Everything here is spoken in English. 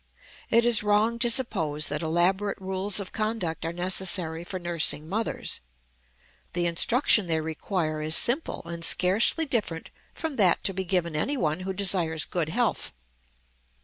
It is wrong to suppose that elaborate rules of conduct are necessary for nursing mothers; the instruction they require is simple and scarcely different from that to be given anyone who desires good health.